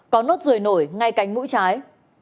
có nốt rời nổi ngay cánh mũi trái